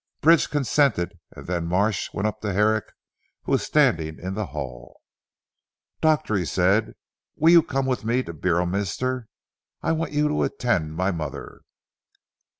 Bridge consented, and then Marsh went up to Herrick who was standing in the hall. "Doctor," said he, "will you come with me to Beorminster? I want you to attend my mother."